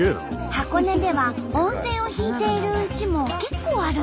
箱根では温泉を引いているうちも結構あるんだって。